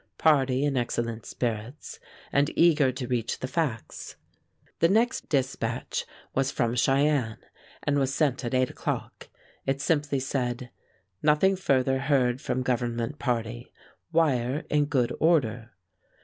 Party in excellent spirits, and eager to reach the facts. The next dispatch was from Cheyenne, and was sent at eight o'clock. It simply said, "Nothing further heard from Government party. Wire in good order."